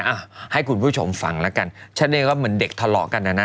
อ่ะให้คุณผู้ชมฟังแล้วกันฉันเองก็เหมือนเด็กทะเลาะกันนะนะ